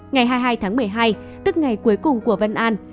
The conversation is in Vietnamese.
ngày hai mươi hai tháng một mươi hai tức ngày cuối cùng của vân an